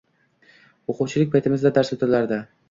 O‘quvchilik paytimizda dars o‘tilardi.